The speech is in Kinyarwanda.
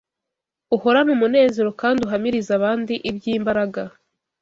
uhorane umunezero, kandi uhamirize abandi iby’imbaraga